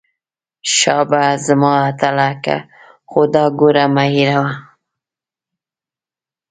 شابه زما اتله خو دا ګوره مه هېروه.